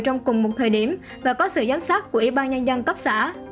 trong cùng một thời điểm và có sự giám sát của ủy ban nhân dân cấp xã